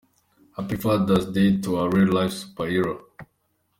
Happy Father’s Day to our real life superhero.